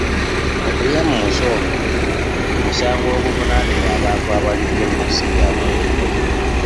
Okulya mu nsi olukwe musango oguvunaanibwa abantu abalidde mu nsi yaabwe olukwe .